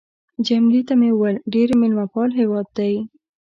جميله ته مې وویل: ډېر مېلمه پال هېواد دی.